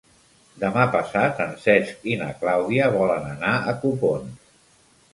Demà passat en Cesc i na Clàudia volen anar a Copons.